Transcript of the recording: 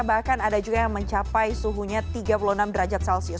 bahkan ada juga yang mencapai suhunya tiga puluh enam derajat celcius